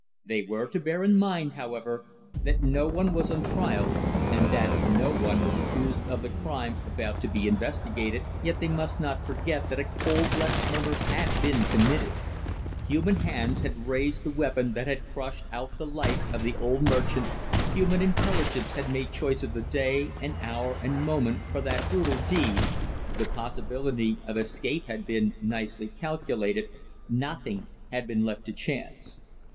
They were to bear in mind, however, that no one was on trial, and that no one was accused of the crime about to be investigated, yet they must not forget that a cold blooded murder had been committed; human hands had raised the weapon that had crushed out the life of the old merchant, human intelligence had made choice of the day and hour and moment for that brutal deed; the possibility of escape had been nicely calculated, nothing had been left to chance.